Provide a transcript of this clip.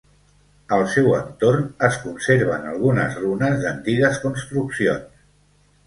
Al seu entorn es conserven algunes runes d'antigues construccions.